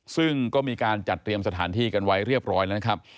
ซึ่งก็มีการจัดเตรียมสถานที่กันไว้เรียบร้อยแล้วนะครับ